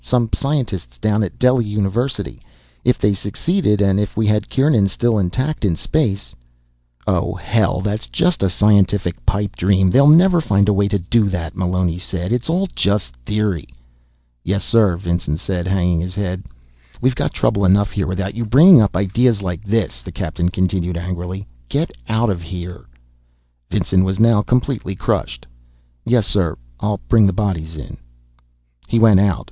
Some scientists down at Delhi University. If they succeeded, and if we had Kieran still intact in space " "Oh, hell, that's just a scientific pipe dream, they'll never find a way to do that," Meloni said. "It's all just theory." "Yes, sir," said Vinson, hanging his head. "We've got trouble enough here without you bringing up ideas like this," the captain continued angrily. "Get out of here." Vinson was now completely crushed. "Yes, sir. I'll bring the bodies in." He went out.